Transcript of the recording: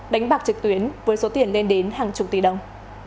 đánh bạc trực tuyến với số tiền lên đến hàng chục tỷ đồng